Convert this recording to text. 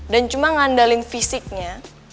dan cuma ngandalin fisiknya